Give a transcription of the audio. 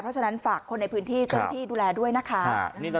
เพราะฉะนั้นฝากคนในพื้นที่เจ้าหน้าที่ดูแลด้วยนะคะ